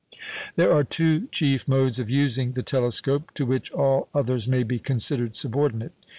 There are two chief modes of using the telescope, to which all others may be considered subordinate.